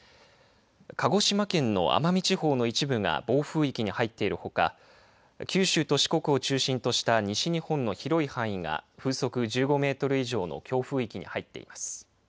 鹿児島県の奄美地方の一部が暴風域に入っているほか九州と四国を中心とした西日本の広い範囲が風速１５メートル以上の強風域に入っています。